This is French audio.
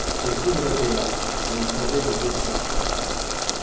Ce tigre était là ; mais il servait de descente